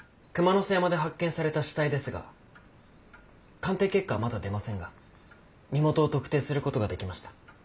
背山で発見された死体ですが鑑定結果はまだ出ませんが身元を特定することができました。